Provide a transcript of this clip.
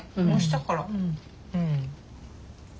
蒸したから。